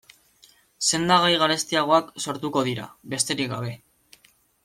Sendagai garestiagoak sortuko dira, besterik gabe.